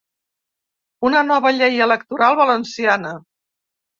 Una nova llei electoral valenciana.